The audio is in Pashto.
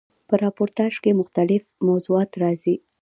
په راپورتاژ کښي مختلیف موضوعات راځي.